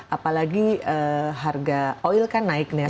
apalagi harga oil kan naik nih sekarang sudah enam puluh tiga